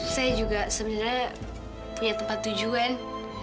saya juga sebenarnya ya tempat tujuan